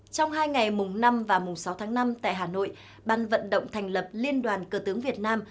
trong hai ngày mùng năm và mùng sáu tháng năm tại hà nội ban vận động thành lập liên đoàn cờ tướng việt nam